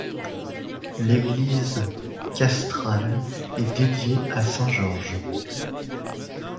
L'église castrale est dédiée à saint Georges.